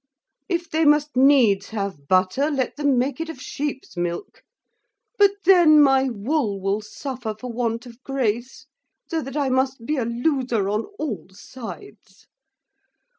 If they must needs have butter, let them make it of sheep's milk; but then my wool will suffer for want of grace; so that I must be a loser on all sides.